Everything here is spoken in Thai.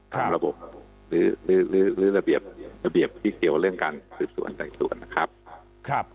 ตามระบบหรือระเบียบที่เกี่ยวเรื่องการสืบส่วนแต่ส่วนนะครับ